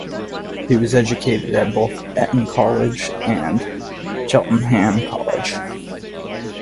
He was educated at both Eton College and Cheltenham College.